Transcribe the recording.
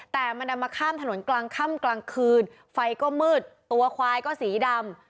แต่มันนำมาข้ามถนนกลางค่ำกลางคืนไฟก็มืดตัวควายก็สีดำ